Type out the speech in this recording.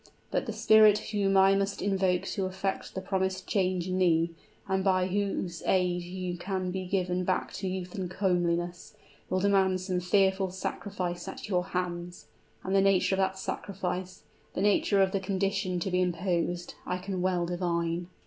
But the Spirit whom I must invoke to effect the promised change in thee, and by whose aid you can be given back to youth and comeliness, will demand some fearful sacrifice at your hands. And the nature of that sacrifice the nature of the condition to be imposed I can well divine!"